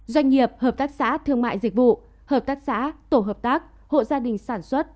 doanh nghiệp hợp tác xã thương mại dịch vụ hợp tác xã tổ hợp tác hộ gia đình sản xuất